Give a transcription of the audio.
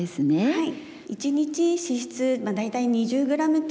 はい。